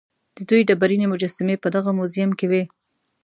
د دوی ډبرینې مجسمې په دغه موزیم کې وې.